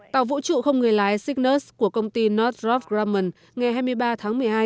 tàu vũ trụ không người lái cygnus của công ty northrop grumman ngày hai mươi ba tháng một mươi hai